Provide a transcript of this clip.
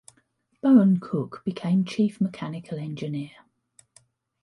Bowen Cooke became Chief Mechanical Engineer.